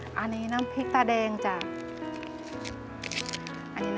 แต่ที่แม่ก็รักลูกมากทั้งสองคน